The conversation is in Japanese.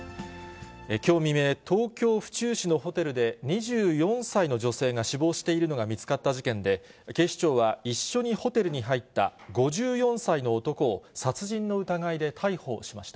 きょう未明、東京・府中市のホテルで、２４歳の女性が死亡しているのが見つかった事件で、警視庁は、一緒にホテルに入った５４歳の男を、殺人の疑いで逮捕しました。